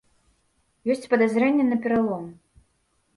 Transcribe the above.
Ёсць падазрэнне на пералом.